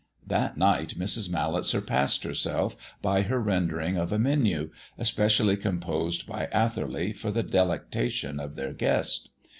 That night Mrs. Mallet surpassed herself by her rendering of a menu, especially composed by Atherley for the delectation of their guest.